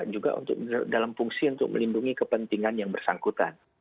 juga dalam fungsi untuk melindungi kepentingan yang bersangkutan